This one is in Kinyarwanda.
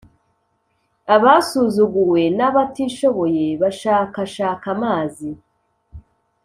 Abasuzuguwe n’abatishoboye bashakashaka amazi,